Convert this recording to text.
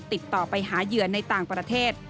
ติดต่อไปหาเหยื่อในต่างประเทศ